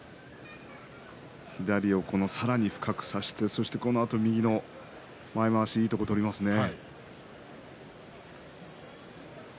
左をさらに深く差してこのあと右の前まわしいいところ取りますね。